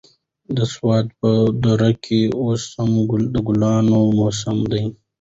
د سوات په درو کې اوس د ګلانو موسم دی.